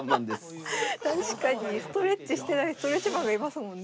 確かにストレッチしてないストレッチマンがいますもんね。